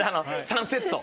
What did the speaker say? ３セット。